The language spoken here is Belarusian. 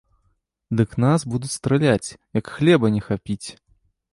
Дык нас будуць страляць, як хлеба не хапіць!